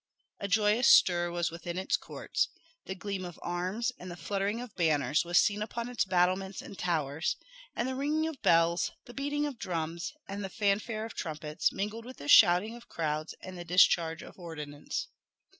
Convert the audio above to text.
A joyous stir was within its courts the gleam of arms and the fluttering of banners was seen upon its battlements and towers, and the ringing of bells, the beating of drums, and the fanfares of trumpets, mingled with the shouting of crowds and the discharge of ordnance.